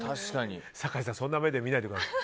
酒井さんそんな目で見ないでください。